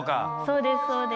そうですそうです。